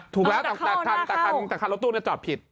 ถูกแล้วแต่คันรถตู้นก็จอดผิด